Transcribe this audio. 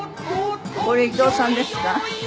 これ伊東さんですか？